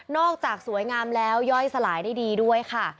จากสวยงามแล้วย่อยสลายได้ดีด้วยค่ะ